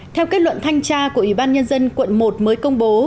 theo kết luận thanh tra của ủy ban nhân dân quận một mới công bố